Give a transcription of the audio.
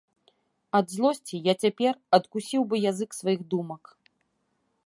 Ад злосці я цяпер адкусіў бы язык сваіх думак.